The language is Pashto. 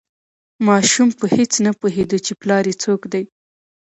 ماشوم په هیڅ نه پوهیده چې پلار یې څوک دی.